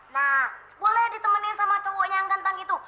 nah boleh ditemenin sama cowoknya yang kentang itu